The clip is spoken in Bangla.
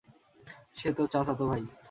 সে তোর চাচাতো ভাই।